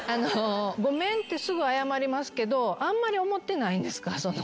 ごめんってすぐ謝りますけどあんまり思ってないんですか？